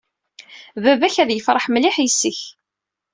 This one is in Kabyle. Baba-k ad yefṛeḥ mliḥ yis-k.